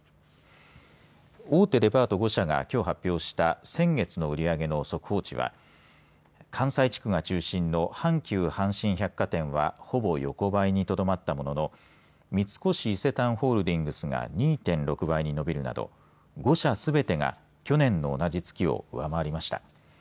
大手デパート５社がきょう発表した先月の売り上げの速報値は関西地区が中心の阪急阪神百貨店はほぼ横ばいにとどまったものの三越伊勢丹ホールディングスが２．６倍に伸びるなど５社すべてが去年の同じ月を上回りました。